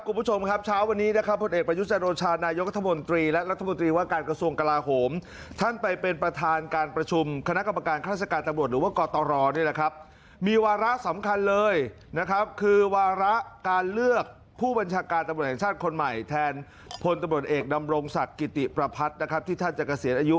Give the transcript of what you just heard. คุณผู้ชมครับช้าวันนี้ผลเอกประยุทธ์จันทร์โอชานายกรรธมนตรีและรัฐมนตรีว่าการกระทรวงกราโหมท่านไปเป็นประธานการประชุมคณะกรรมการฆาตราชการตำรวจหรือว่ากรตรมีวาระสำคัญเลยคือวาระการเลือกผู้บัญชาการธรรมดาแห่งชาติคนใหม่แทนผลตำรวจเอกดำรงศักดิ์กิติป